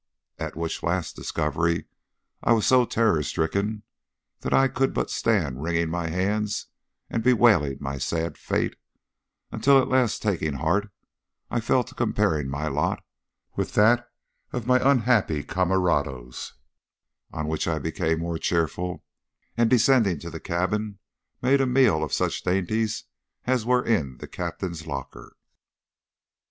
At which last discovery I was so terror struck that I could but stand wringing my hands and bewailing my sad fate, until at last taking heart, I fell to comparing my lot with that of my unhappy camerados, on which I became more cheerful, and descending to the cabin, made a meal off such dainties as were in the captain's locker."